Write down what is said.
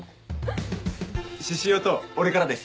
獅子王と俺からです。